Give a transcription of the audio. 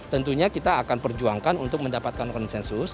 tentunya kita akan perjuangkan untuk mendapatkan konsensus